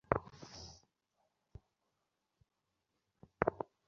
নিসার আলি হেসে বললেন, এখন বুঝি আমাকে আর দুষ্ট লোক মনে হচ্ছে না?